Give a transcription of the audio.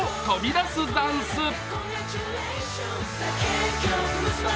飛び出すザンス。